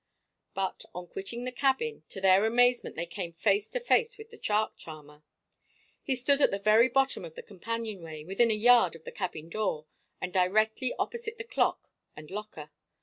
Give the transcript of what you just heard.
But on quitting the cabin, to their amazement they came face to face with the shark charmer! He stood at the very bottom of the companionway, within a yard of the cabin door, and directly opposite the clock and locker.